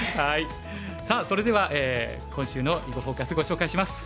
さあそれでは今週の「囲碁フォーカス」ご紹介します。